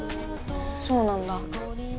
そうなんだ。